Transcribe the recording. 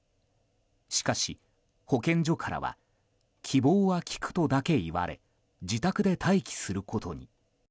しかし保健所からは希望は聞くとだけ言われ自宅で待機することに。